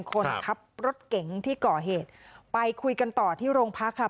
คนขับรถเก๋งที่ก่อเหตุไปคุยกันต่อที่โรงพักค่ะ